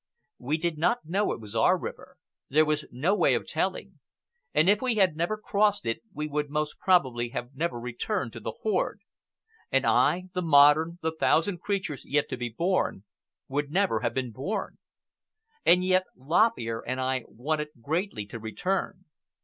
We did not know it was our river—there was no way of telling; and if we had never crossed it we would most probably have never returned to the horde; and I, the modern, the thousand centuries yet to be born, would never have been born. And yet Lop Ear and I wanted greatly to return.